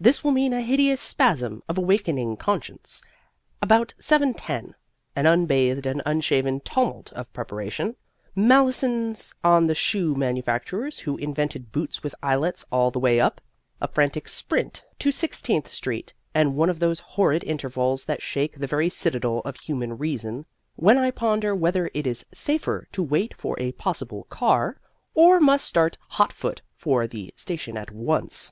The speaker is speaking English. This will mean a hideous spasm of awakening conscience about 7:10 an unbathed and unshaven tumult of preparation, malisons on the shoe manufacturers who invented boots with eyelets all the way up, a frantic sprint to Sixteenth Street and one of those horrid intervals that shake the very citadel of human reason when I ponder whether it is safer to wait for a possible car or must start hotfoot for the station at once.